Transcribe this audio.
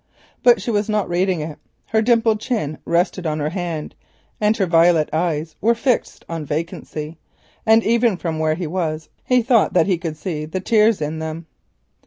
But she was not reading it; her dimpled chin rested on her hand, her violent eyes were fixed on vacancy, and even from where he was he thought that he could see the tears in them.